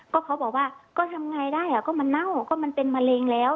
ก็เขาบอกว่าก็ทำไงได้อ่ะก็มันเน่าก็มันเป็นมะเร็งแล้ว